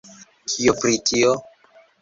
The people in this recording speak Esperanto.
Kio pri tio?